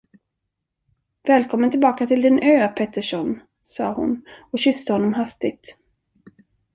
Välkommen tillbaka till din ö, Pettersson, sade hon och kysste honom hastigt.